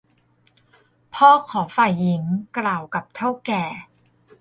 พ่อขอฝ่ายหญิงกล่าวกับเถ้าแก่